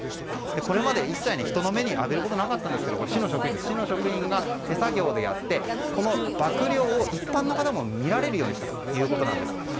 これまで一切、人の目に浴びることがなかったんですが市の職員が手作業でやってこの曝涼を一般の方も見られるようにしたということです。